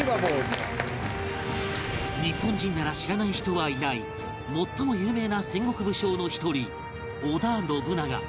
日本人なら知らない人はいない最も有名な戦国武将の一人織田信長